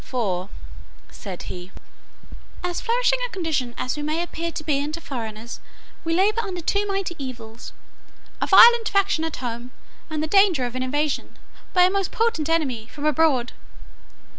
For," said he, "as flourishing a condition as we may appear to be in to foreigners, we labour under two mighty evils: a violent faction at home, and the danger of an invasion, by a most potent enemy, from abroad.